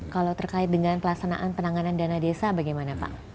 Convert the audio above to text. kalau terkait dengan pelaksanaan penanganan dana desa bagaimana pak